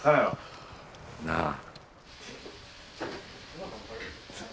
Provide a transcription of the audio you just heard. なあ。